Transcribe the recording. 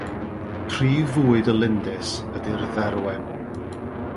Prif fwyd y lindys ydy'r dderwen.